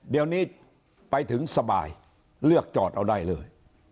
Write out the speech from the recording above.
เดี๋ยวนี้ไปถึงสบายเลือกจอดเอาได้เลย